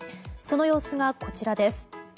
その様子が、こちらです。